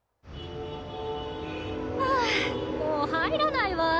・ふうもう入らないわ。